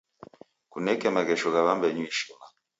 Kuneke maghesho gha w'ambedu ishima.